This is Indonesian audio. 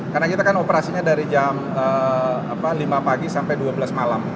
karena kita kan operasinya dari jam lima pagi sampai dua belas malam